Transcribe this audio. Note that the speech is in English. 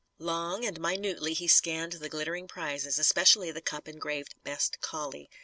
Long and minutely he scanned the glittering prizes, especially the cup engraved "Best Collie."